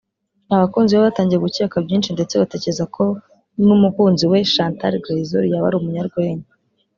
abakunzi be batangiye gukeka byinshi ndetse batekereza ko n’umukunzi we Chantal Grazioli yaba ari umunyarwenya